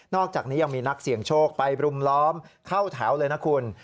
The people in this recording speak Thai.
อกจากนี้ยังมีนักเสี่ยงโชคไปรุมล้อมเข้าแถวเลยนะคุณ